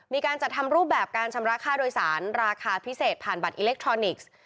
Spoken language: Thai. มีการจัดทำรูปแบบการชำระค่าโดยสารราคาพิเศษผ่านบัตรอิเล็กทรอนิกส์